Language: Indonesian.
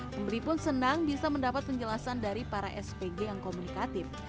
pembeli pun senang bisa mendapat penjelasan dari para spg yang komunikatif